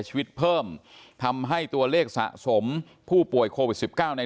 ชีวิตเพิ่มทำให้ตัวเลขสะสมผู้ป่วยโควิด๑๙ใน